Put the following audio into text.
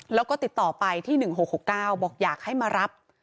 แล้วก็ติดต่อไปที่๑๖๖๙บอกอยากให้มารับ